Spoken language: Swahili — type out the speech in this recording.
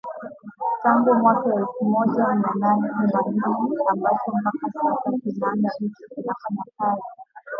Tangu mwaka elfu moja mia nane themanini ambacho mpaka sasa kinanda hicho kinafanya kazi